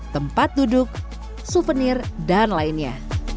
tempat duduk souvenir dan lainnya